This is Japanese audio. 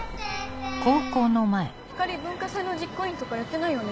・東先生・光莉文化祭の実行委員とかやってないよね？